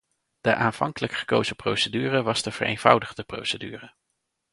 De aanvankelijk gekozen procedure was de vereenvoudigde procedure.